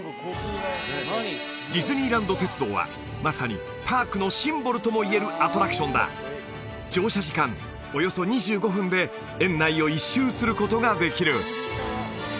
ディズニーランド鉄道はまさにパークのシンボルとも言えるアトラクションだ乗車時間およそ２５分で園内を１周することができる